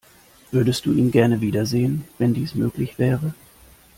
Würdest du ihn gerne wiedersehen, wenn dies möglich wäre?